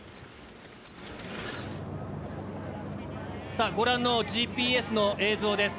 さあご覧のＧＰＳの映像です。